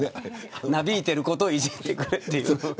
なびいてることをいじってくれって。